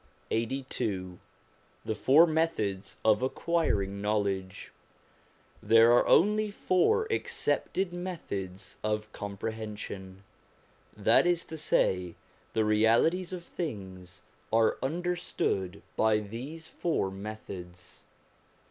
LXXXII THE FOUR METHODS OF ACQUIRING KNOWLEDGE THERE are only four accepted methods of comprehen sion : that is to say, the realities of things are under stood by these four methods.